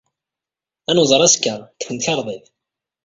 Ad nemmẓer azekka, deg temkarḍit!